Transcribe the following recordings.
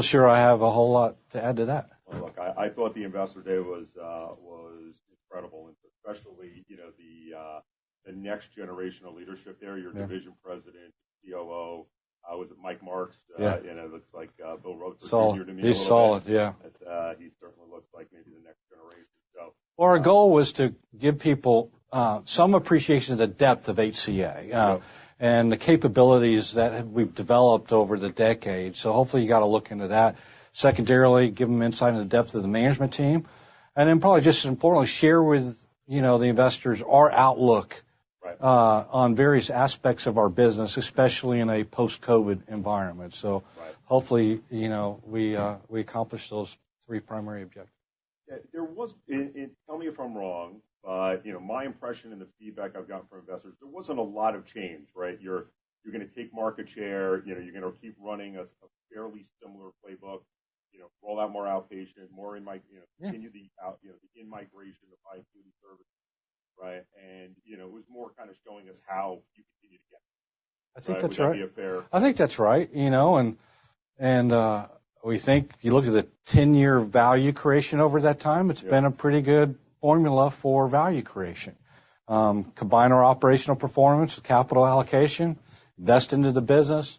Sure, I have a whole lot to add to that. Look, I thought the Investor Day was incredible, and especially, you know, the next generation of leadership there. Yeah. Your division president, COO, was it Mike Marks? Yeah. It looks like Bill Rutherford. Solid. He's solid, yeah. He certainly looks like maybe the next generation, so. Well, our goal was to give people some appreciation of the depth of HCA- Sure... and the capabilities that we've developed over the decades. So hopefully, you got a look into that. Secondarily, give them insight into the depth of the management team, and then probably just as importantly, share with, you know, the investors our outlook- Right... on various aspects of our business, especially in a post-COVID environment. Right. Hopefully, you know, we accomplished those three primary objectives. Yeah, there was, and tell me if I'm wrong, but you know, my impression and the feedback I've gotten from investors, there wasn't a lot of change, right? You're gonna take market share, you know, you're gonna keep running a fairly similar playbook. You know, roll out more outpatient, more in my, you know- Yeah... continue the out, you know, the in-migration of high-acuity services, right? And, you know, it was more kind of showing us how you continue to get. I think that's right. Would that be a fair- I think that's right. You know, and we think if you look at the 10-year value creation over that time- Yeah... it's been a pretty good formula for value creation. Combine our operational performance with capital allocation, invest into the business,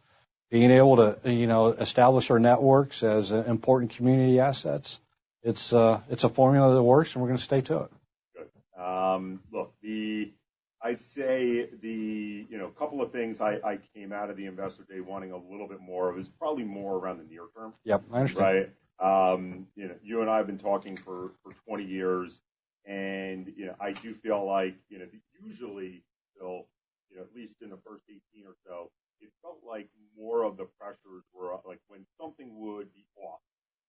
being able to, you know, establish our networks as important community assets. It's, it's a formula that works, and we're gonna stick to it. Good. Look, the... I'd say the, you know, a couple of things I came out of the Investor Day wanting a little bit more of is probably more around the near term. Yep, I understand. Right? You know, you and I have been talking for 20 years, and you know, I do feel like, you know, usually, Bill, you know, at least in the first 18 or so, it felt like more of the pressures were up, like, when something would be off,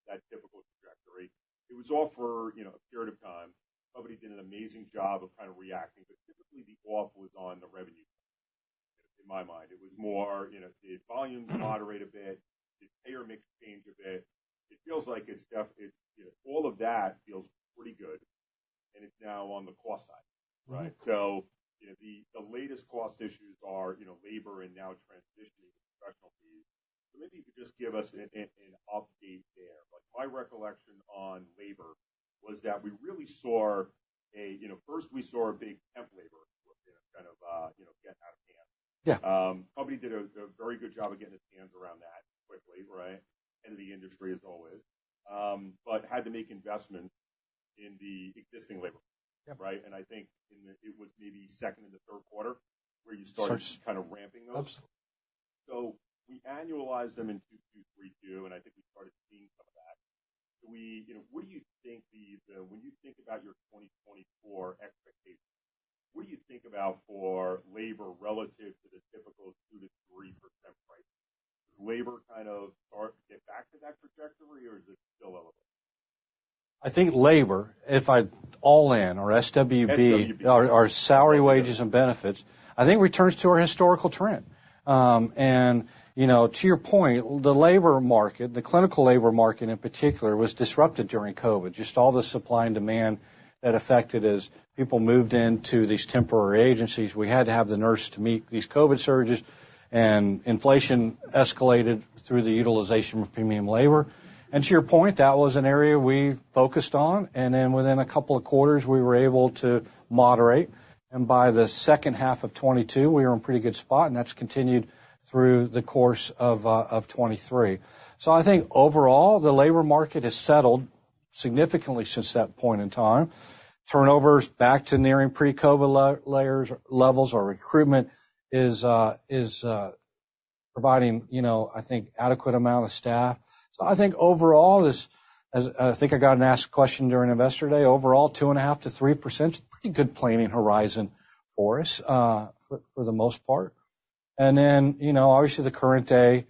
that typical trajectory. It was all for, you know, a period of time. Company did an amazing job of kind of reacting, but typically the off was on the revenue, in my mind. It was more, you know, did volumes moderate a bit? Did payer mix change a bit? It feels like it's different, you know, all of that feels pretty good, and it's now on the cost side. Right. So, you know, the latest cost issues are, you know, labor and now transitioning to professional fees. So maybe you could just give us an update there. Like, my recollection on labor was that we really saw a, you know, first we saw a big temp labor, you know, kind of, get out of hand. Yeah. Company did a very good job of getting its hands around that quickly, right? The industry as always. But had to make investments in the existing labor. Yeah. Right? And I think in the... it was maybe second and the third quarter, where you started- Sure... kind of ramping those. Absolutely. So we annualized them in 2023, and I think we started seeing some of that. Do we, you know, what do you think the, when you think about your 2024 expectations, what do you think about for labor relative to the typical 2%-3% range? Does labor kind of start to get back to that trajectory, or is it still elevated? I think labor, if I all in or SWB- SWB... or salary, wages, and benefits, I think returns to our historical trend. You know, to your point, the labor market, the clinical labor market in particular, was disrupted during COVID. Just all the supply and demand that affected as people moved into these temporary agencies. We had to have the nurse to meet these COVID surges, and inflation escalated through the utilization of premium labor. And to your point, that was an area we focused on, and then within a couple of quarters, we were able to moderate. And by the second half of 2022, we were in a pretty good spot, and that's continued through the course of 2023. So I think overall, the labor market has settled significantly since that point in time. Turnover is back to nearing pre-COVID levels. Our recruitment is providing, you know, I think, adequate amount of staff. So I think overall, I got asked a question during Investor Day. Overall, 2.5%-3% is a pretty good planning horizon for us, for the most part. And then, you know, obviously, the current day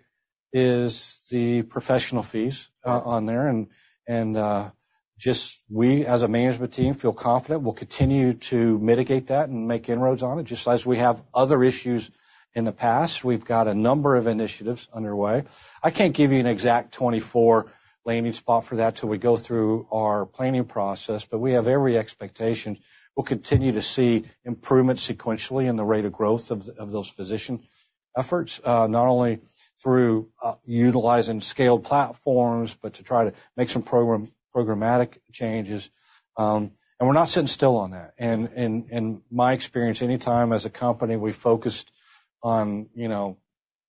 is the professional fees- Uh... on there, and just we, as a management team, feel confident we'll continue to mitigate that and make inroads on it, just as we have other issues in the past. We've got a number of initiatives underway. I can't give you an exact 24 landing spot for that till we go through our planning process, but we have every expectation we'll continue to see improvements sequentially in the rate of growth of those physician efforts. Not only through utilizing scaled platforms, but to try to make some programmatic changes. And we're not sitting still on that. In my experience, anytime as a company, we focused on, you know,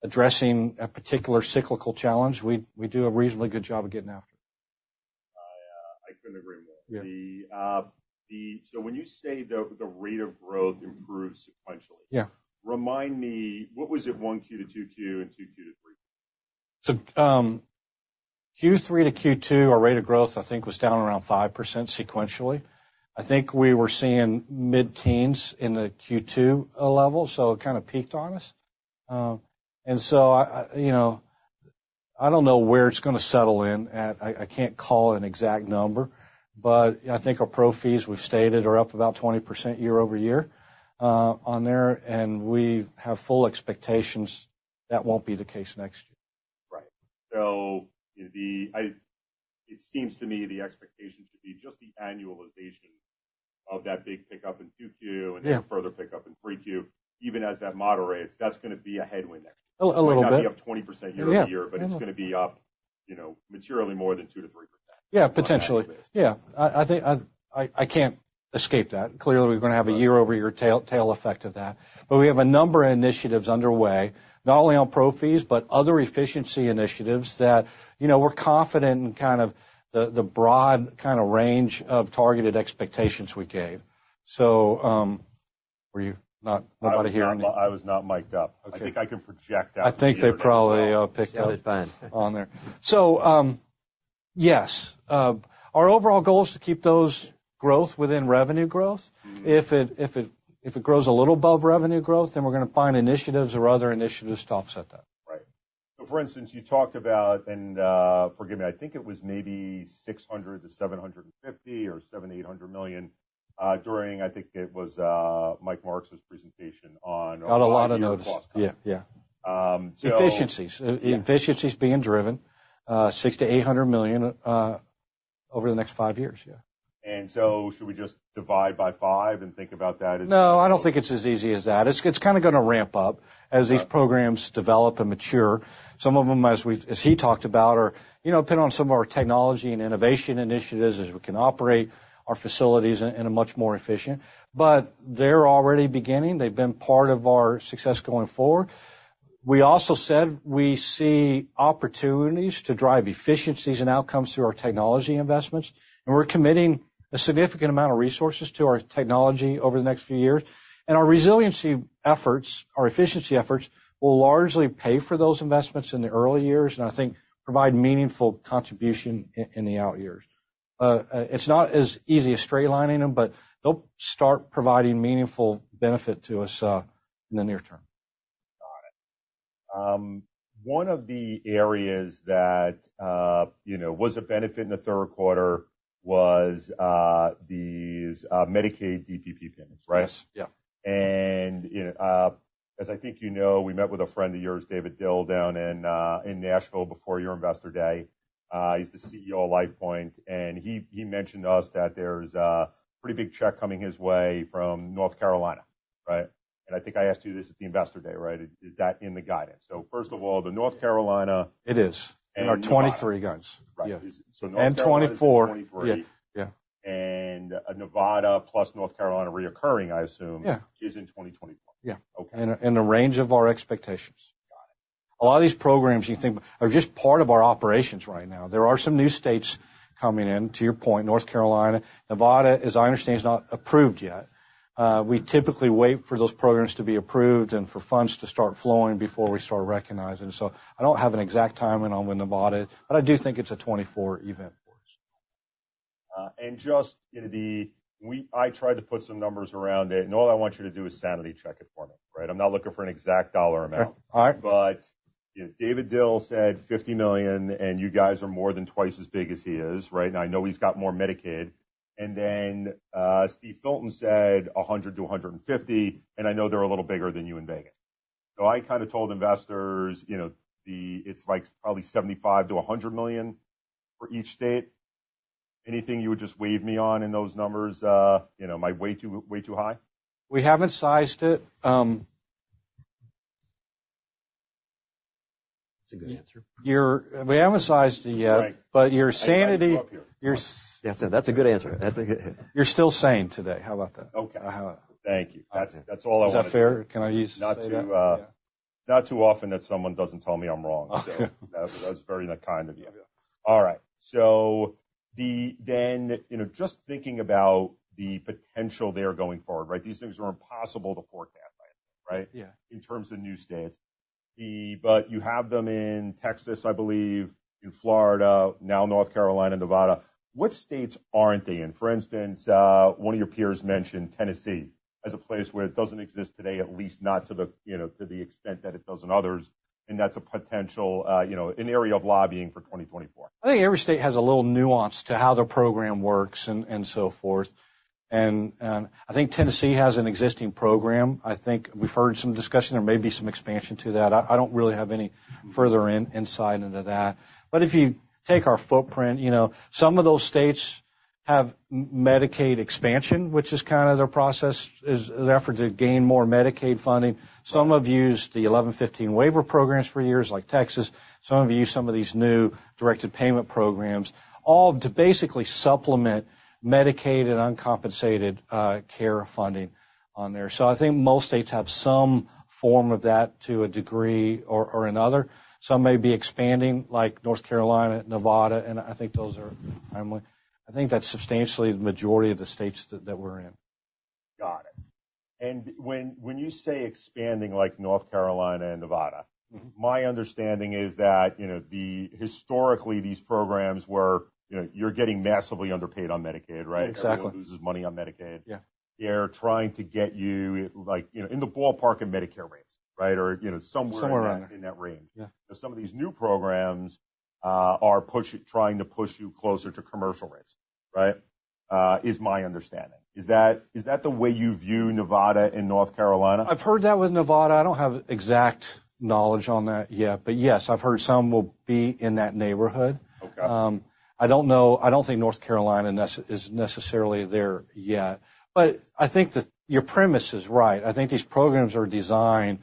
addressing a particular cyclical challenge, we do a reasonably good job of getting after it. I, I couldn't agree more. Yeah. So when you say the rate of growth improves sequentially- Yeah... remind me, what was it 1 Q to 2 Q and 2 Q to 3 Q? So, Q3 to Q2, our rate of growth, I think, was down around 5% sequentially. I think we were seeing mid-teens in the Q2 level, so it kind of peaked on us. And so, you know, I don't know where it's gonna settle in at. I can't call an exact number, but I think our pro fees, we've stated, are up about 20% year-over-year, on there, and we have full expectations that won't be the case next year. Right. So, it seems to me the expectation should be just the annualization of that big pickup in 2Q- Yeah. and then further pickup in 3Q, even as that moderates, that's gonna be a headwind next year. A little bit. It might not be up 20% year-over-year- Yeah. But it's gonna be up, you know, materially more than 2%-3%. Yeah, potentially. Yeah. I think I can't escape that. Clearly, we're gonna have a year-over-year tail effect of that. But we have a number of initiatives underway, not only on pro fees, but other efficiency initiatives that, you know, we're confident in kind of the broad kind of range of targeted expectations we gave. So, were you not? Nobody hearing me? I was not mic'd up. Okay. I think I can project out. I think they probably picked up on there. Sounded fine. So, yes, our overall goal is to keep those growth within revenue growth. Mm-hmm. If it grows a little above revenue growth, then we're gonna find initiatives or other initiatives to offset that. Right. So for instance, you talked about, and, forgive me, I think it was maybe $600 million-$750 million or $700 million-$800 million, during, I think it was, Mike Marks' presentation on- On a lot of notice. Yeah. Yeah. Um, so- Efficiencies. Yeah. Efficiencies being driven, $600 million-$800 million, over the next five years. Yeah. So should we just divide by five and think about that as- No, I don't think it's as easy as that. It's, it's kinda gonna ramp up- Right ... as these programs develop and mature. Some of them, as he talked about, are, you know, depend on some of our technology and innovation initiatives, as we can operate our facilities in a much more efficient. But they're already beginning. They've been part of our success going forward. We also said we see opportunities to drive efficiencies and outcomes through our technology investments, and we're committing a significant amount of resources to our technology over the next few years. And our resiliency efforts, our efficiency efforts, will largely pay for those investments in the early years, and I think provide meaningful contribution in the out years. It's not as easy as straight-lining them, but they'll start providing meaningful benefit to us in the near term. Got it. One of the areas that, you know, was a benefit in the third quarter was these Medicaid DPP payments, right? Yes. Yeah. And, you know, as I think you know, we met with a friend of yours, David Dill, down in, in Nashville, before your Investor Day. He's the CEO of LifePoint, and he mentioned to us that there's a pretty big check coming his way from North Carolina, right? And I think I asked you this at the Investor Day, right, is that in the guidance? So first of all, the North Carolina- It is. And- In our 23 guides. Right. Yeah. North Carolina- And 24. 24. Yeah. Yeah. And, Nevada plus North Carolina recurring, I assume- Yeah is in 2024. Yeah. Okay. In the range of our expectations. Got it. A lot of these programs, you think, are just part of our operations right now. There are some new states coming in. To your point, North Carolina, Nevada, as I understand, is not approved yet. We typically wait for those programs to be approved and for funds to start flowing before we start recognizing them. So I don't have an exact timeline on when Nevada, but I do think it's a 2024 event for us. And just, you know, I tried to put some numbers around it, and all I want you to do is sanity check it for me, right? I'm not looking for an exact dollar amount. All right. But, you know, David Dill said $50 million, and you guys are more than twice as big as he is, right? Now, I know he's got more Medicaid. And then, Steve Filton said $100 million-$150 million, and I know they're a little bigger than you in Vegas. So I kinda told investors, you know, the, it's like probably $75 million-$100 million for each state. Anything you would just wave me on in those numbers? You know, am I way too, way too high? We haven't sized it. That's a good answer. We haven't sized it yet. Right. But your sanity- I want you up here. Yes, that's a good answer. That's a good... You're still sane today. How about that? Okay. How about that? Thank you. That's it. That's all I wanted. Is that fair? Can I use- Not too, not too often that someone doesn't tell me I'm wrong. So that's, that's very kind of you. Yeah. All right. So then, you know, just thinking about the potential there going forward, right? These things are impossible to forecast, right? Yeah. In terms of new states. But you have them in Texas, I believe, in Florida, now North Carolina, Nevada. Which states aren't they in? For instance, one of your peers mentioned Tennessee as a place where it doesn't exist today, at least not to the, you know, to the extent that it does in others, and that's a potential, you know, an area of lobbying for 2024. I think every state has a little nuance to how their program works and so forth. And I think Tennessee has an existing program. I think we've heard some discussion there may be some expansion to that. I don't really have any further insight into that. But if you take our footprint, you know, some of those states have Medicaid expansion, which is kind of their process, is an effort to gain more Medicaid funding. Some have used the 1115 waiver programs for years, like Texas. Some have used some of these new directed payment programs, all to basically supplement Medicaid and uncompensated care funding on there. So I think most states have some form of that to a degree or another. Some may be expanding, like North Carolina, Nevada, and I think those are... I think that's substantially the majority of the states that we're in. Got it. And when you say expanding, like North Carolina and Nevada- Mm-hmm. My understanding is that, you know, the historically, these programs were, you know, you're getting massively underpaid on Medicaid, right? Exactly. Everyone loses money on Medicaid. Yeah. They're trying to get you, like, you know, in the ballpark of Medicare rates, right? Or, you know, somewhere- Somewhere in there. in that range. Yeah. Some of these new programs are pushing, trying to push you closer to commercial rates, right? That's my understanding. Is that, is that the way you view Nevada and North Carolina? I've heard that with Nevada. I don't have exact knowledge on that yet, but yes, I've heard some will be in that neighborhood. Okay. I don't know, I don't think North Carolina necessarily is there yet. But I think that your premise is right. I think these programs are designed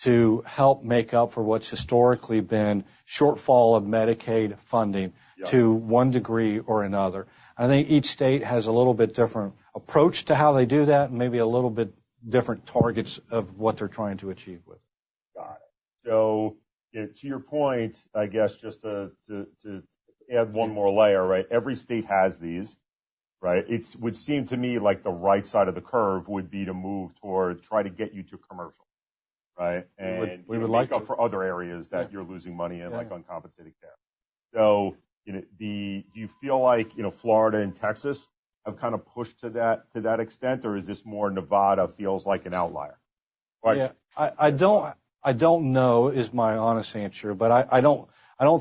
to help make up for what's historically been shortfall of Medicaid funding. Yeah. to one degree or another. I think each state has a little bit different approach to how they do that, and maybe a little bit different targets of what they're trying to achieve with. Got it. So to your point, I guess just to add one more layer, right? Every state has these, right? It would seem to me like the right side of the curve would be to move toward trying to get you to commercial, right? We would like to. And for other areas that you're losing money in, like uncompensated care. So, you know, do you feel like, you know, Florida and Texas have kind of pushed to that, to that extent? Or is this more Nevada feels like an outlier? Yeah. I don't know is my honest answer, but I don't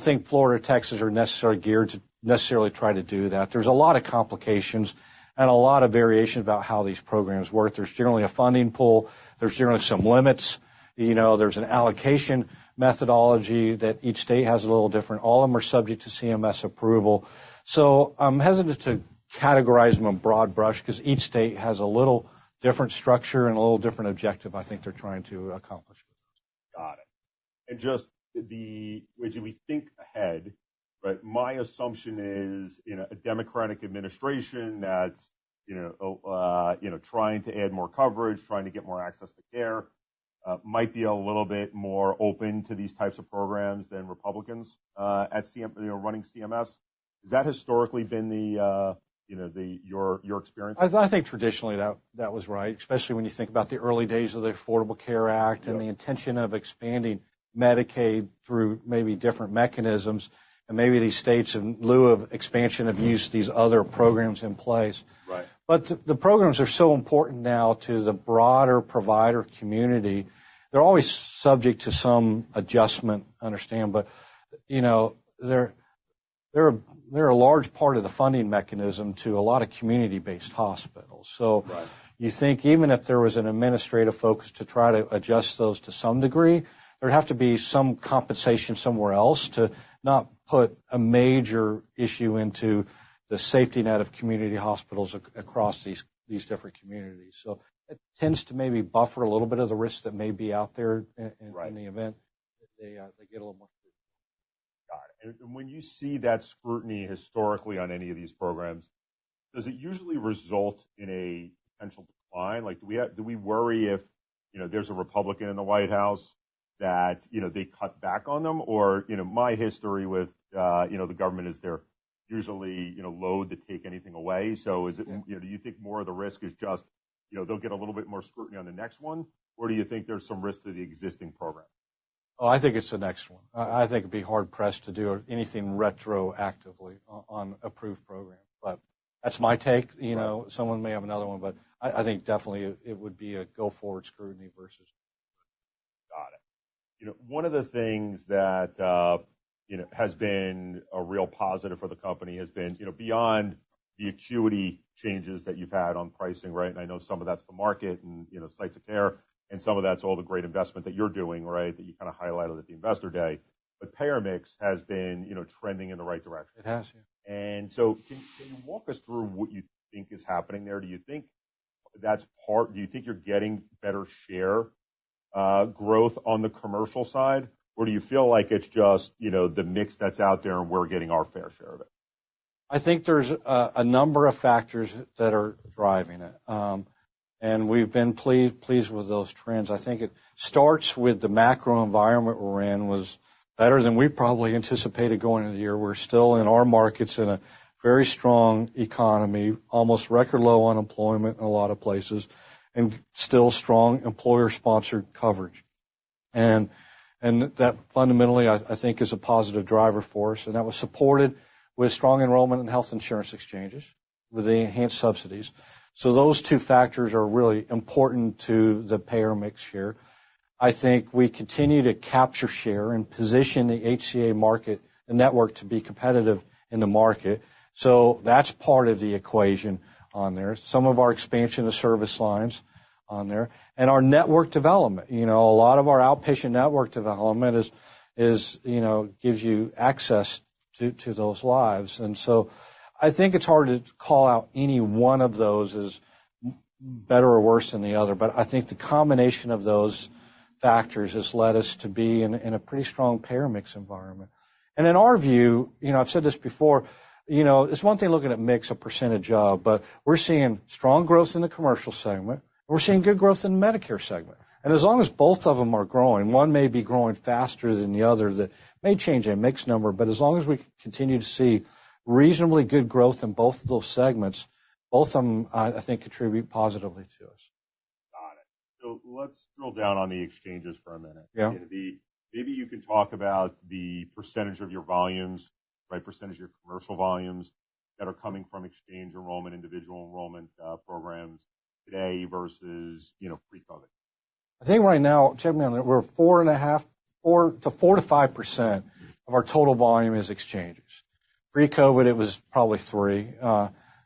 think Florida or Texas are necessarily geared to necessarily try to do that. There's a lot of complications and a lot of variation about how these programs work. There's generally a funding pool. There's generally some limits. You know, there's an allocation methodology that each state has a little different. All of them are subject to CMS approval. So I'm hesitant to categorize them a broad brush because each state has a little different structure and a little different objective I think they're trying to accomplish. Got it. Just the, as we think ahead, right, my assumption is, you know, a Democratic administration that's, you know, you know, trying to add more coverage, trying to get more access to care, might be a little bit more open to these types of programs than Republicans at CMS, you know, running CMS. Has that historically been the, you know, the, your, your experience? I think traditionally, that was right, especially when you think about the early days of the Affordable Care Act- Yeah. and the intention of expanding Medicaid through maybe different mechanisms, and maybe these states, in lieu of expansion, have used these other programs in place. Right. But the programs are so important now to the broader provider community. They're always subject to some adjustment, I understand, but, you know, they're a large part of the funding mechanism to a lot of community-based hospitals. Right. So you think even if there was an administrative focus to try to adjust those to some degree, there'd have to be some compensation somewhere else to not put a major issue into the safety net of community hospitals across these different communities. So it tends to maybe buffer a little bit of the risk that may be out there- Right. in the event they, they get a little more. Got it. And when you see that scrutiny historically on any of these programs, does it usually result in a potential decline? Like, do we have, do we worry if, you know, there's a Republican in the White House that, you know, they cut back on them? Or, you know, my history with, you know, the government is they're usually, you know, loath to take anything away. Yeah. So is it, you know, do you think more of the risk is just, you know, they'll get a little bit more scrutiny on the next one, or do you think there's some risk to the existing program? Oh, I think it's the next one. I think it'd be hard-pressed to do anything retroactively on approved program, but that's my take. Right. You know, someone may have another one, but I think definitely it would be a go-forward scrutiny versus. Got it. You know, one of the things that, you know, has been a real positive for the company has been, you know, beyond the acuity changes that you've had on pricing, right? And I know some of that's the market and, you know, sites of care, and some of that's all the great investment that you're doing, right, that you kind of highlighted at the Investor Day. But payer mix has been, you know, trending in the right direction. It has, yeah. And so can you walk us through what you think is happening there? Do you think that's part- do you think you're getting better share growth on the commercial side? Or do you feel like it's just, you know, the mix that's out there, and we're getting our fair share of it? I think there's a number of factors that are driving it. And we've been pleased with those trends. I think it starts with the macro environment we're in was better than we probably anticipated going into the year. We're still in our markets in a very strong economy, almost record low unemployment in a lot of places, and still strong employer-sponsored coverage. And that fundamentally I think is a positive driver for us, and that was supported with strong enrollment in health insurance exchanges with the enhanced subsidies. So those two factors are really important to the payer mix here. I think we continue to capture share and position the HCA market, the network, to be competitive in the market. So that's part of the equation on there. Some of our expansion of service lines on there and our network development. You know, a lot of our outpatient network development is, you know, gives you access to those lives. And so I think it's hard to call out any one of those as better or worse than the other, but I think the combination of those factors has led us to be in a pretty strong payer mix environment. And in our view, you know, I've said this before, you know, it's one thing looking at mix, a percentage of, but we're seeing strong growth in the commercial segment. We're seeing good growth in the Medicare segment. And as long as both of them are growing, one may be growing faster than the other, that may change a mix number, but as long as we continue to see reasonably good growth in both of those segments, both of them, I think, contribute positively to us. Got it. So let's drill down on the exchanges for a minute. Yeah. Maybe you can talk about the percentage of your volumes, right, percentage of your commercial volumes that are coming from exchange enrollment, individual enrollment, programs today versus, you know, pre-COVID. I think right now, check me on that, we're 4.5, 4 to 5% of our total volume is exchanges. Pre-COVID, it was probably 3,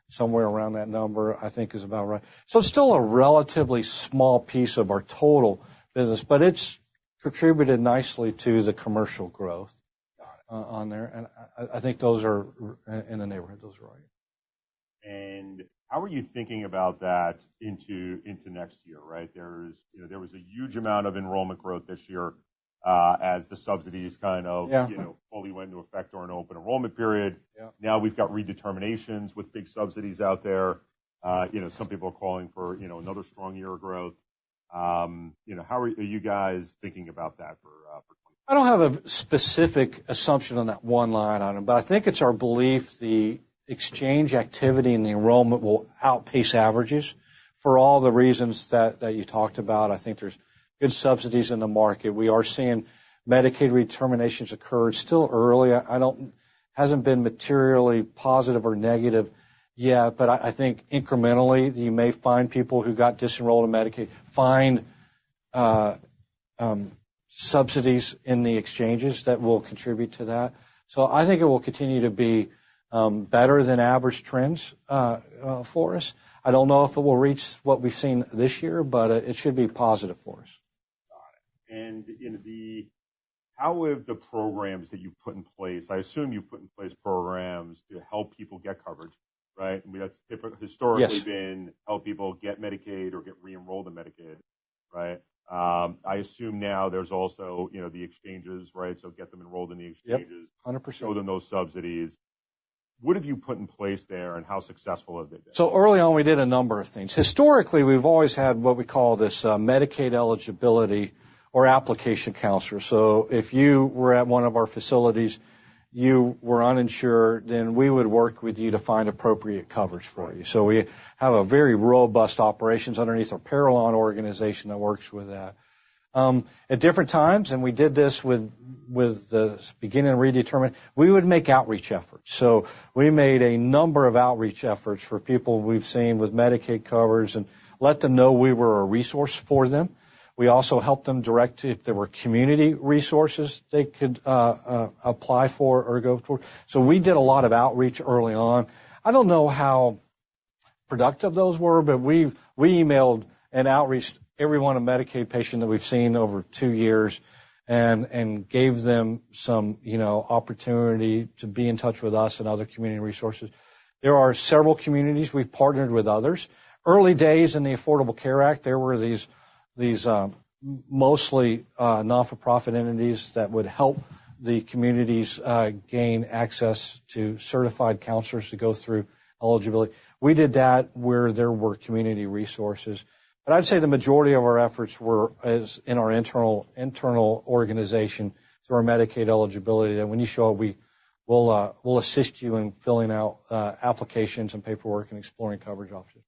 somewhere around that number, I think is about right. So still a relatively small piece of our total business, but it's contributed nicely to the commercial growth on there. And I think those are in the neighborhood, those are right. How are you thinking about that into, into next year, right? There's, you know, there was a huge amount of enrollment growth this year, as the subsidies kind of- Yeah You know, fully went into effect during open enrollment period. Yeah. Now we've got redeterminations with big subsidies out there. You know, some people are calling for, you know, another strong year of growth. You know, how are you guys thinking about that for, for 20...? I don't have a specific assumption on that one line on them, but I think it's our belief the exchange activity and the enrollment will outpace averages for all the reasons that, that you talked about. I think there's good subsidies in the market. We are seeing Medicaid redeterminations occur. It's still early. I don't-- hasn't been materially positive or negative yet, but I, I think incrementally, you may find people who got disenrolled in Medicaid find subsidies in the exchanges that will contribute to that. So I think it will continue to be better than average trends for us. I don't know if it will reach what we've seen this year, but it should be positive for us. Got it. You know, how have the programs that you've put in place, I assume you've put in place programs to help people get coverage, right? I mean, that's different historically- Yes been helping people get Medicaid or get re-enrolled in Medicaid, right? I assume now there's also, you know, the exchanges, right? So get them enrolled in the exchanges. Yep, 100%. Show them those subsidies. What have you put in place there, and how successful have they been? So early on, we did a number of things. Historically, we've always had what we call this, Medicaid eligibility or application counselor. So if you were at one of our facilities, you were uninsured, then we would work with you to find appropriate coverage for you. So we have a very robust operations underneath our Parallon organization that works with that. At different times, and we did this with the beginning of redeterminations, we would make outreach efforts. So we made a number of outreach efforts for people we've seen with Medicaid coverage and let them know we were a resource for them. We also helped them direct if there were community resources they could apply for or go for. So we did a lot of outreach early on. I don't know how productive those were, but we've emailed and reached out to every one of our Medicaid patients that we've seen over 2 years and gave them some, you know, opportunity to be in touch with us and other community resources. There are several communities we've partnered with others. In the early days of the Affordable Care Act, there were these mostly not-for-profit entities that would help the communities gain access to certified counselors to go through eligibility. We did that where there were community resources, but I'd say the majority of our efforts were in our internal organization, through our Medicaid eligibility, that when you show up, we'll assist you in filling out applications and paperwork and exploring coverage options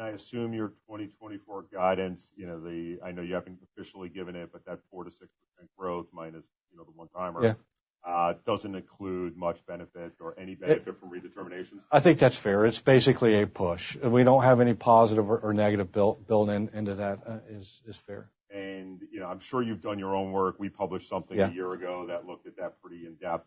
for you. I assume your 2024 guidance, you know, the... I know you haven't officially given it, but that 4%-6% growth minus, you know, the one-timer- Yeah doesn't include much benefit or any benefit from redeterminations? I think that's fair. It's basically a push. We don't have any positive or negative built into that is fair. You know, I'm sure you've done your own work. We published something- Yeah A year ago that looked at that pretty in-depth.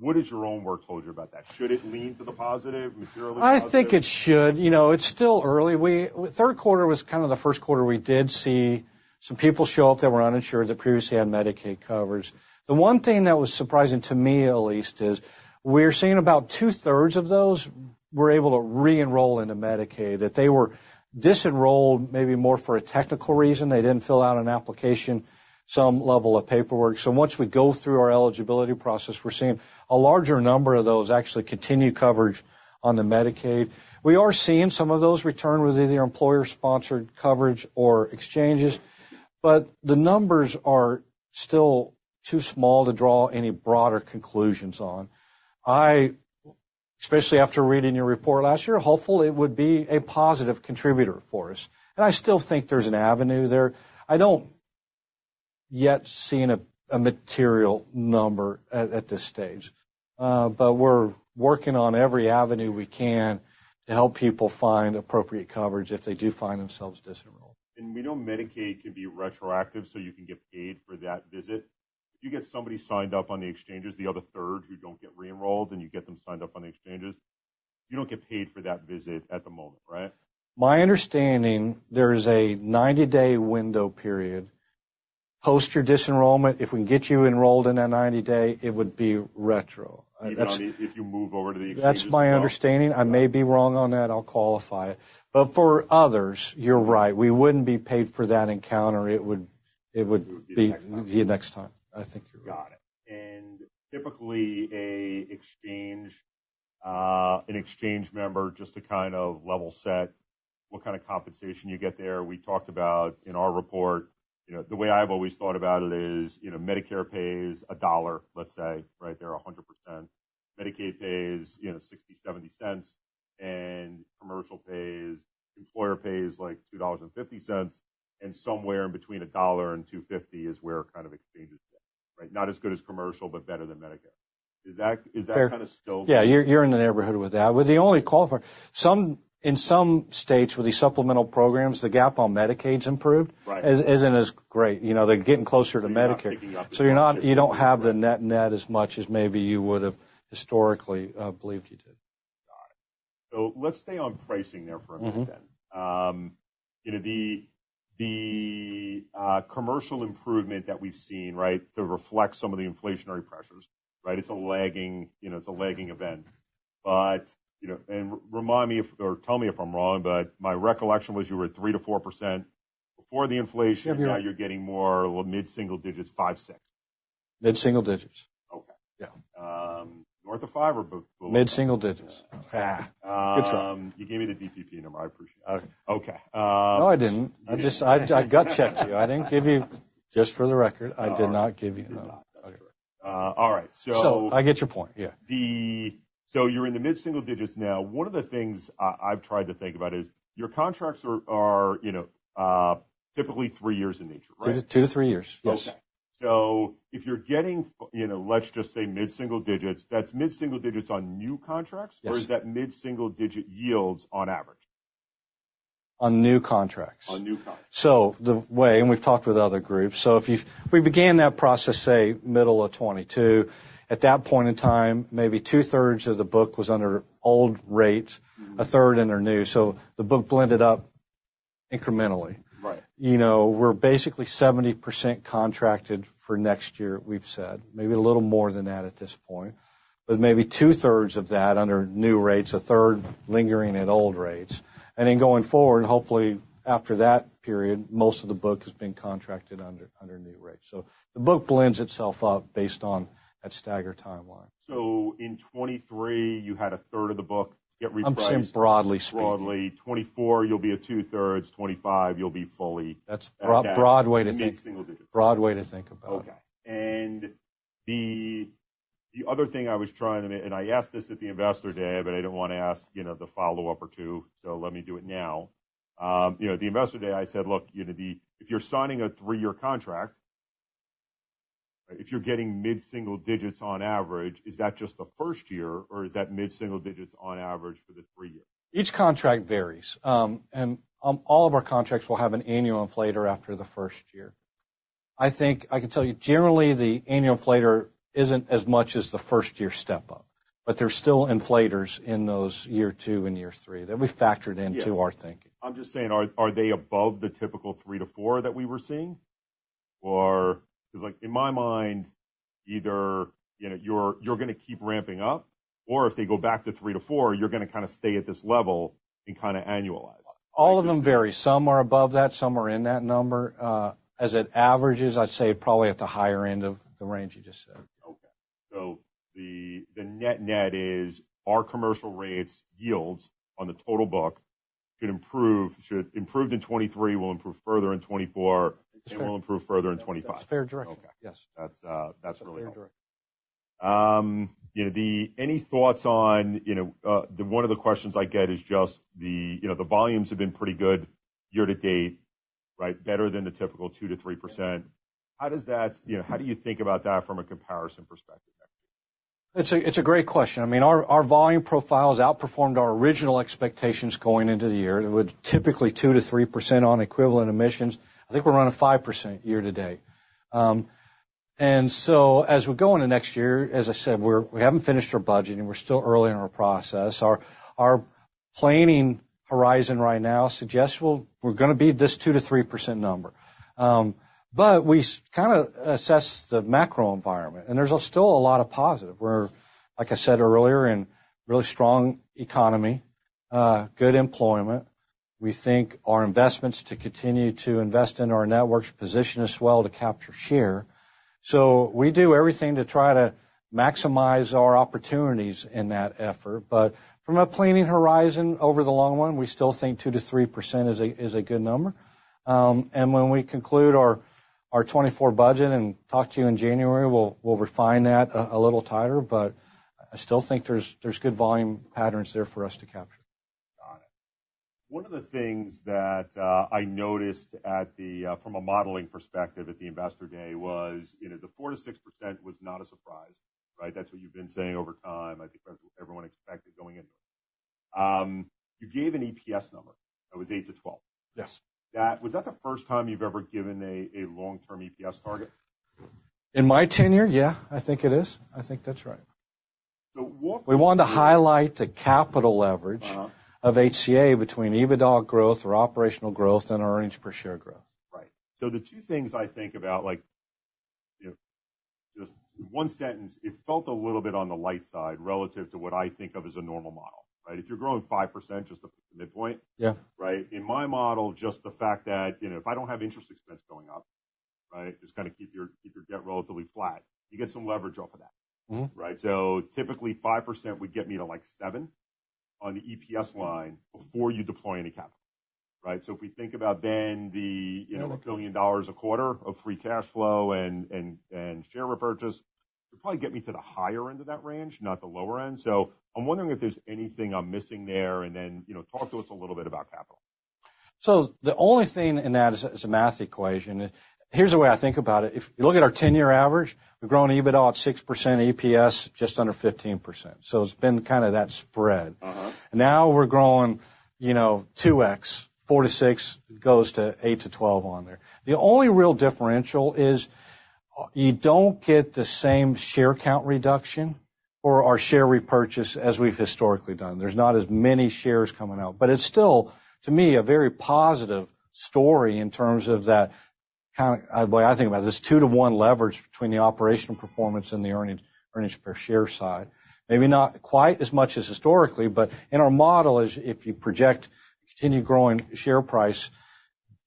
What has your own work told you about that? Should it lean to the positive, materially positive? I think it should. You know, it's still early. We, third quarter was kind of the first quarter we did see some people show up that were uninsured, that previously had Medicaid coverage. The one thing that was surprising to me at least, is we're seeing about two-thirds of those were able to re-enroll into Medicaid, that they were disenrolled, maybe more for a technical reason. They didn't fill out an application, some level of paperwork. So once we go through our eligibility process, we're seeing a larger number of those actually continue coverage on the Medicaid. We are seeing some of those return with either employer-sponsored coverage or exchanges, but the numbers are still too small to draw any broader conclusions on. I, especially after reading your report last year, hopeful it would be a positive contributor for us, and I still think there's an avenue there. I don't yet seen a material number at this stage, but we're working on every avenue we can to help people find appropriate coverage if they do find themselves disenrolled. We know Medicaid can be retroactive, so you can get paid for that visit. If you get somebody signed up on the exchanges, the other third, who don't get re-enrolled, and you get them signed up on the exchanges, you don't get paid for that visit at the moment, right? My understanding, there is a 90-day window period. Post your disenrollment, if we can get you enrolled in that 90 day, it would be retro. Even if you move over to the exchanges- That's my understanding. I may be wrong on that. I'll qualify it, but for others, you're right. We wouldn't be paid for that encounter. It would, it would be- Next time. Be next time. I think you're right. Got it. And typically, an exchange member, just to kind of level set, what kind of compensation you get there. We talked about in our report, you know, the way I've always thought about it is, you know, Medicare pays $1, let's say, right? They're 100%. Medicaid pays, you know, 60-70 cents, and commercial pays... employer pays, like, $2.50, and somewhere in between $1 and $2.50 is where kind of exchanges sit, right? Not as good as commercial, but better than Medicare. Is that, is that kind of still- Yeah, you're in the neighborhood with that. With the only qualifier, in some states, with the supplemental programs, the gap on Medicaid's improved. Right. Isn't as great, you know, they're getting closer to Medicare. Picking up- So you're not, you don't have the net net as much as maybe you would have historically believed you did.... So let's stay on pricing there for a minute then. You know, the commercial improvement that we've seen, right? To reflect some of the inflationary pressures, right? It's a lagging, you know, it's a lagging event. But, you know, and remind me if, or tell me if I'm wrong, but my recollection was you were at 3%-4% before the inflation. Yep. Now you're getting more mid-single digits, 5, 6. Mid-single digits. Okay. Yeah. North of five or below? Mid-single digits. Ah, good try. You gave me the DPP number. I appreciate it. Okay, No, I didn't. I just gut checked you. I didn't give you... Just for the record, I did not give you the- You did not. Okay. All right. So- So I get your point. Yeah. So you're in the mid-single digits now. One of the things I've tried to think about is your contracts are, you know, typically 3 years in nature, right? 2-3 years. Yes. Okay. So if you're getting—you know, let's just say mid-single digits, that's mid-single digits on new contracts? Yes. Or is that mid-single digit yields on average? On new contracts. On new contracts. So the way, and we've talked with other groups, so if we began that process, say, middle of 2022. At that point in time, maybe two-thirds of the book was under old rates, a third under new. So the book blended up incrementally. Right. You know, we're basically 70% contracted for next year, we've said. Maybe a little more than that at this point, with maybe two-thirds of that under new rates, a third lingering at old rates. And then going forward, hopefully, after that period, most of the book has been contracted under, under new rates. So the book blends itself up based on that staggered timeline. In 2023, you had a third of the book get repriced- I'm saying broadly speaking. Broadly. '2024, you'll be at two-thirds. '2025, you'll be fully- That's broad, broad way to think. Mid-single digits. Broad way to think about it. Okay. And the other thing I was trying, and I asked this at the investor day, but I didn't want to ask, you know, the follow-up or two, so let me do it now. You know, at the investor day, I said, "Look, you know, the, if you're signing a three-year contract, if you're getting mid-single digits on average, is that just the first year, or is that mid-single digits on average for the three years? Each contract varies. All of our contracts will have an annual inflator after the first year. I think I can tell you, generally, the annual inflator isn't as much as the first-year step-up, but there's still inflators in those year two and year three that we've factored into our thinking. I'm just saying, are they above the typical 3-4 that we were seeing? Or... 'cause, like, in my mind, either, you know, you're gonna keep ramping up, or if they go back to 3-4, you're gonna kinda stay at this level and kinda annualize. All of them vary. Some are above that, some are in that number. As it averages, I'd say probably at the higher end of the range you just said. Okay. So the net net is our commercial rates yields on the total book should improve, should improve in 2023, will improve further in 2024, and will improve further in 2025. That's fair direction. Okay. Yes. That's, that's really helpful. Fair direction. You know, any thoughts on, you know, the one of the questions I get is just the, you know, the volumes have been pretty good year to date, right? Better than the typical 2%-3%. How does that... You know, how do you think about that from a comparison perspective next year? It's a great question. I mean, our volume profiles outperformed our original expectations going into the year, with typically 2%-3% on equivalent admissions. I think we're running 5% year to date. And so as we go into next year, as I said, we haven't finished our budgeting, we're still early in our process. Our planning horizon right now suggests we're gonna beat this 2%-3% number. But we kind of assess the macro environment, and there's still a lot of positive. We're, like I said earlier, in really strong economy, good employment. We think our investments to continue to invest in our networks position us well to capture share. So we do everything to try to maximize our opportunities in that effort. But from a planning horizon over the long run, we still think 2%-3% is a good number. And when we conclude our 2024 budget and talk to you in January, we'll refine that a little tighter, but I still think there's good volume patterns there for us to capture. Got it. One of the things that I noticed from a modeling perspective at the investor day was, you know, the 4%-6% was not a surprise, right? That's what you've been saying over time. I think that's what everyone expected going into it. You gave an EPS number that was 8-12. Yes. Was that the first time you've ever given a long-term EPS target? In my tenure, yeah, I think it is. I think that's right. So what- We wanted to highlight the capital leverage- Uh-huh. of HCA between EBITDA growth or operational growth and our earnings per share growth. Right. So the two things I think about, like, you know, just one sentence, it felt a little bit on the light side relative to what I think of as a normal model, right? If you're growing 5%, just the midpoint. Yeah. Right? In my model, just the fact that, you know, if I don't have interest expense going up, right, just kinda keep your debt relatively flat, you get some leverage off of that. Mm-hmm. Right? So typically, 5% would get me to, like, seven on the EPS line before you deploy any capital, right? So if we think about then the, you know, $1 billion a quarter of free cash flow and, and, and share repurchase, it'd probably get me to the higher end of that range, not the lower end. So I'm wondering if there's anything I'm missing there, and then, you know, talk to us a little bit about capital. The only thing in that is, it's a math equation. Here's the way I think about it. If you look at our 10-year average, we've grown EBITDA at 6%, EPS just under 15%. So it's been kind of that spread. Uh-huh. Now we're growing, you know, 2x,4-6 goes to 8-12 on there. The only real differential is you don't get the same share count reduction or our share repurchase as we've historically done. There's not as many shares coming out, but it's still, to me, a very positive story in terms of that kind of way I think about this 2-to-1 leverage between the operational performance and the earnings, earnings per share side. Maybe not quite as much as historically, but in our model is, if you project continued growing share price,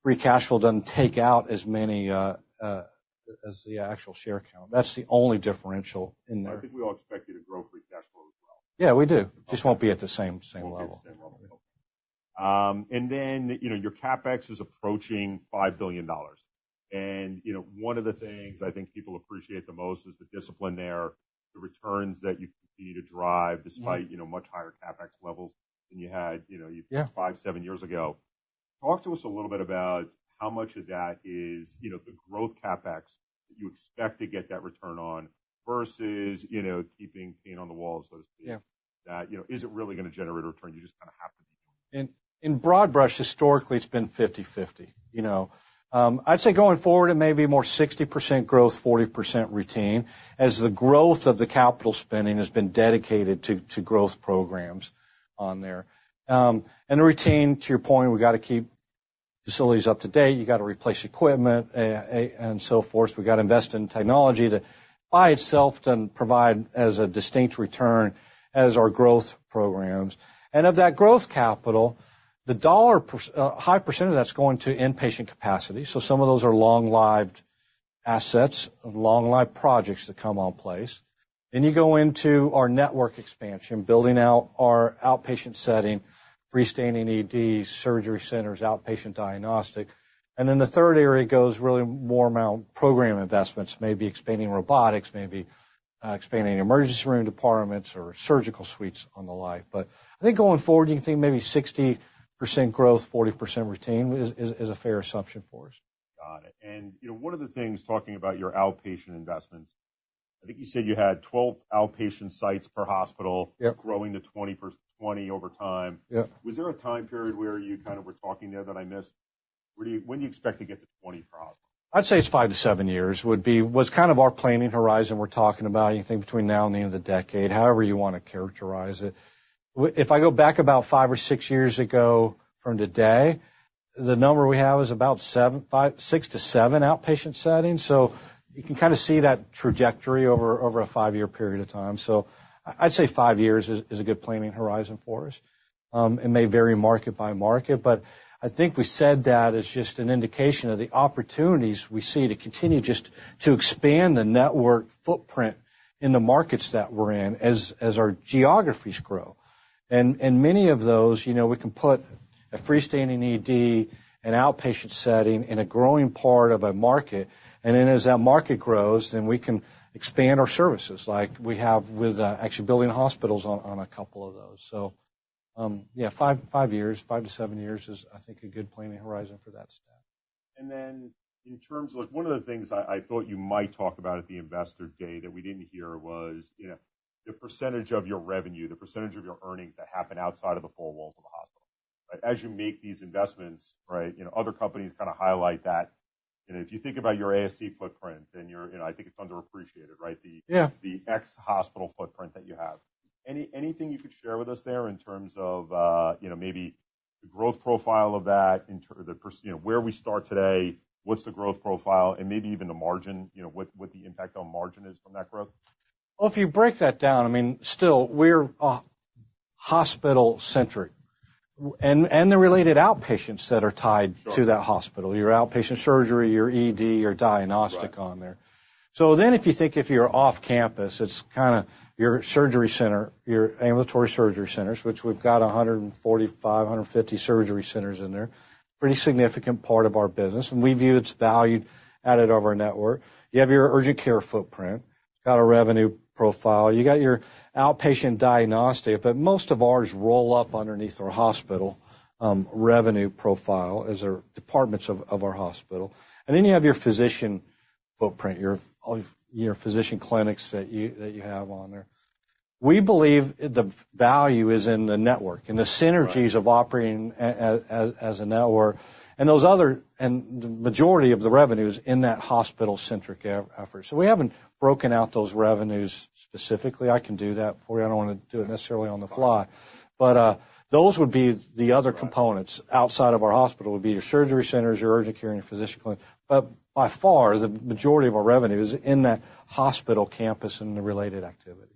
free cash flow doesn't take out as many as the actual share count. That's the only differential in there. I think we all expect you to grow free cash flow as well. Yeah, we do. Just won't be at the same, same level. Won't be at the same level. And then, you know, your CapEx is approaching $5 billion, and, you know, one of the things I think people appreciate the most is the discipline there, the returns that you continue to drive- Mm-hmm. despite, you know, much higher CapEx levels than you had, you know. Yeah. 5-7 years ago. Talk to us a little bit about how much of that is, you know, the growth CapEx that you expect to get that return on, versus, you know, keeping paint on the walls, so to speak. Yeah. That, you know, is it really gonna generate a return? You just kinda have to be doing? In broad brush, historically, it's been 50/50. You know, I'd say going forward, it may be more 60% growth, 40% retain, as the growth of the capital spending has been dedicated to growth programs on there. And the retain, to your point, we've got to keep facilities up to date. You've got to replace equipment, and so forth. We've got to invest in technology that by itself doesn't provide as a distinct return as our growth programs. And of that growth capital, the dollar per, a high percentage of that's going to inpatient capacity, so some of those are long-lived assets of long-lived projects that come on place. Then you go into our network expansion, building out our outpatient setting, freestanding ED, surgery centers, outpatient diagnostic. And then the third area goes really more around program investments, maybe expanding robotics, maybe, expanding emergency room departments or surgical suites on the line. But I think going forward, you can think maybe 60% growth, 40% retain is, is, is a fair assumption for us. Got it. You know, one of the things, talking about your outpatient investments, I think you said you had 12 outpatient sites per hospital- Yep. -growing to 20 per 20 over time. Yep. Was there a time period where you kind of were talking there that I missed? Where do you, when do you expect to get to 20 per hospital? I'd say it's 5-7 years, would be, was kind of our planning horizon we're talking about, anything between now and the end of the decade, however you want to characterize it. If I go back about 5 or 6 years ago from today, the number we have is about 7, 5, 6-7 outpatient settings. So you can kind of see that trajectory over a 5-year period of time. So I'd say 5 years is a good planning horizon for us. It may vary market by market, but I think we said that as just an indication of the opportunities we see to continue just to expand the network footprint in the markets that we're in, as our geographies grow. Many of those, you know, we can put a freestanding ED, an outpatient setting in a growing part of a market, and then as that market grows, we can expand our services like we have with actually building hospitals on a couple of those. So, yeah, 5-7 years is, I think, a good planning horizon for that step. One of the things I thought you might talk about at the investor day that we didn't hear was, you know, the percentage of your revenue, the percentage of your earnings that happen outside of the four walls of the hospital. As you make these investments, right, you know, other companies kind of highlight that. You know, if you think about your ASC footprint, and your, and I think it's underappreciated, right? Yeah. The existing hospital footprint that you have. Anything you could share with us there in terms of, you know, maybe the growth profile of that, in terms of the perspective, you know, where we start today, what's the growth profile, and maybe even the margin, you know, what the impact on margin is from that growth? Well, if you break that down, I mean, still, we're hospital-centric, and, and the related outpatients that are tied- Sure To that hospital, your outpatient surgery, your ED, your diagnostic on there. Right. So then, if you think if you're off campus, it's kinda your surgery center, your ambulatory surgery centers, which we've got 145-150 surgery centers in there. Pretty significant part of our business, and we view its value added over our network. You have your urgent care footprint. It's got a revenue profile. You got your outpatient diagnostic, but most of ours roll up underneath our hospital revenue profile as our departments of our hospital. And then you have your physician footprint, your, your physician clinics that you, that you have on there. We believe the value is in the network- Right -and the synergies of operating as a network, and those other, and the majority of the revenues in that hospital-centric effort. So we haven't broken out those revenues specifically. I can do that for you. I don't want to do it necessarily on the fly. Right. But, those would be the other components- Right Outside of our hospital, would be your surgery centers, your urgent care, and your physician clinic. But by far, the majority of our revenue is in that hospital campus and the related activities.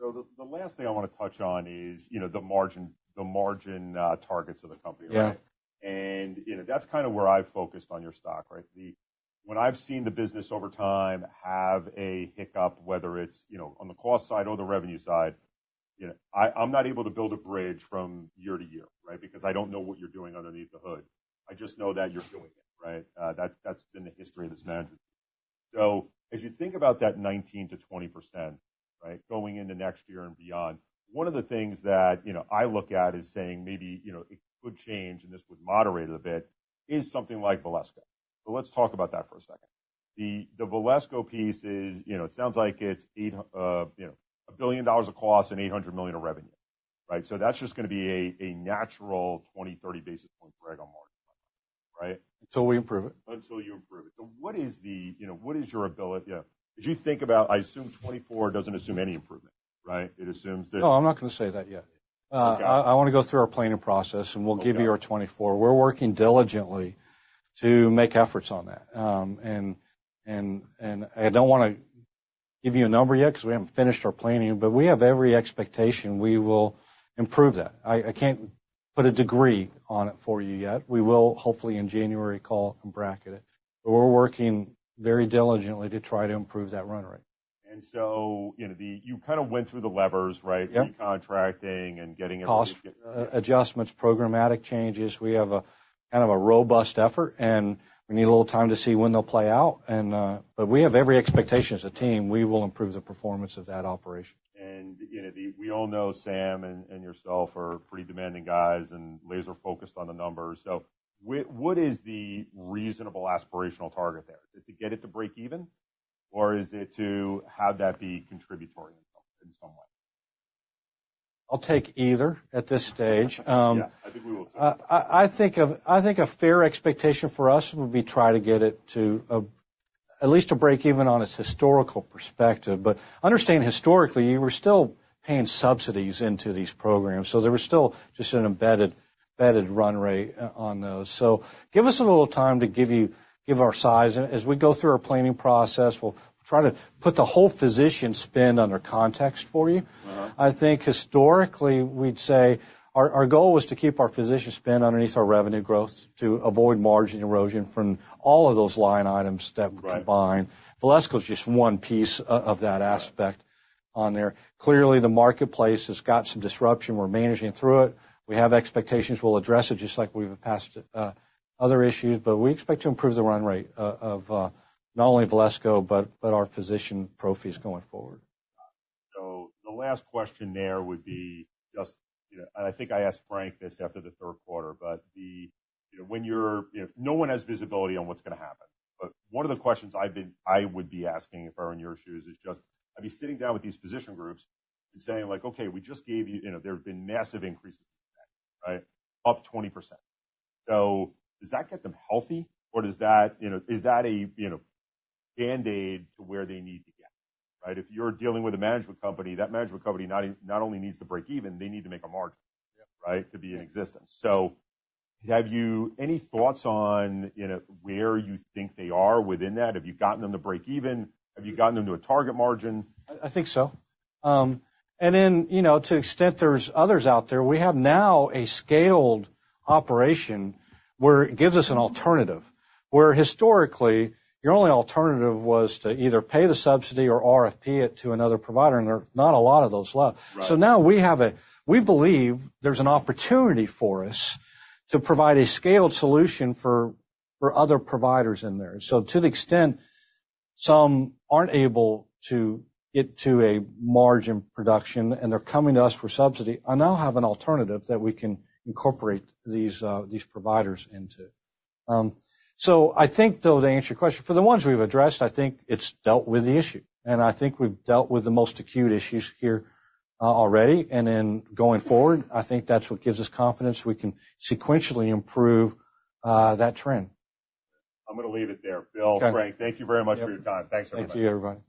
The last thing I want to touch on is, you know, the margin targets of the company, right? Yeah. You know, that's kind of where I focused on your stock, right? When I've seen the business over time have a hiccup, whether it's, you know, on the cost side or the revenue side, you know, I, I'm not able to build a bridge from year to year, right? Because I don't know what you're doing underneath the hood. I just know that you're doing it, right? That's, that's been the history of this management. So as you think about that 19%-20%, right, going into next year and beyond, one of the things that, you know, I look at is saying maybe, you know, it could change, and this would moderate it a bit, is something like Valesco. So let's talk about that for a second. The Valesco piece is, you know, it sounds like it's $8 billion of cost and $800 million of revenue… Right? So that's just gonna be a natural 20-30 basis point drag on margin, right? Until we improve it. Until you improve it. So what is the, you know, what is your ability, as you think about, I assume 2024 doesn't assume any improvement, right? It assumes that- No, I'm not gonna say that yet. Okay. I wanna go through our planning process, and we'll give you our 2024. We're working diligently to make efforts on that. And I don't wanna give you a number yet, 'cause we haven't finished our planning, but we have every expectation we will improve that. I can't put a degree on it for you yet. We will, hopefully, in January call and bracket it, but we're working very diligently to try to improve that run rate. You know, you kind of went through the levers, right? Yep. Recontracting and getting it- Cost adjustments, programmatic changes. We have a kind of robust effort, and we need a little time to see when they'll play out. But we have every expectation as a team. We will improve the performance of that operation. You know, we all know Sam and yourself are pretty demanding guys and laser-focused on the numbers. So what is the reasonable aspirational target there? Is it to get it to break even, or is it to have that be contributory in some way? I'll take either at this stage. Yeah, I think we will too. I think a fair expectation for us would be to try to get it to at least break even on its historical perspective. But understand, historically, we're still paying subsidies into these programs, so there was still just an embedded run rate on those. So give us a little time, given our size, and as we go through our planning process, we'll try to put the whole physician spend in context for you. Mm-hmm. I think historically, we'd say our, our goal was to keep our physician spend underneath our revenue growth to avoid margin erosion from all of those line items that we combine. Right. Valesco is just one piece of that aspect- Yeah On there. Clearly, the marketplace has got some disruption. We're managing through it. We have expectations. We'll address it just like we've passed other issues, but we expect to improve the run rate of not only Valesco, but our physician pro fees going forward. So the last question there would be just, you know, and I think I asked Frank this after the third quarter, but... You know, when you're, you know, no one has visibility on what's gonna happen, but one of the questions I would be asking if I were in your shoes is just, I'd be sitting down with these physician groups and saying like, "Okay, we just gave you..." You know, there have been massive increases, right? Up 20%. So does that get them healthy, or does that, you know, is that a, you know, Band-Aid to where they need to get, right? If you're dealing with a management company, that management company not only needs to break even, they need to make a margin- Yep. Right, to be in existence. So have you any thoughts on, you know, where you think they are within that? Have you gotten them to break even? Have you gotten them to a target margin? I think so. And then, you know, to the extent there's others out there, we have now a scaled operation where it gives us an alternative. Where historically, your only alternative was to either pay the subsidy or RFP it to another provider, and there are not a lot of those left. Right. So now we have a... We believe there's an opportunity for us to provide a scaled solution for, for other providers in there. So to the extent some aren't able to get to a margin production, and they're coming to us for subsidy, I now have an alternative that we can incorporate these, these providers into. So I think, though, to answer your question, for the ones we've addressed, I think it's dealt with the issue, and I think we've dealt with the most acute issues here already. And then going forward, I think that's what gives us confidence we can sequentially improve that trend. I'm gonna leave it there. Bill, Frank- Okay. Thank you very much for your time. Yep. Thanks, everybody. Thank you, everybody.